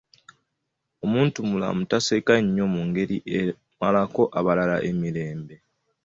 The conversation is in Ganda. Omuntumulamu taseka nnyo mu ngeri emalako balala mirembe.